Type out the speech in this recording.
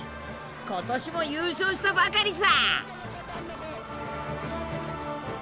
今年も優勝したばかりさ。